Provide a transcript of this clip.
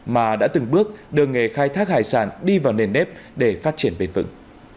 mà đã từng bước đưa nghề khai thác hải sản đi vào nền nếp để phát triển bền vững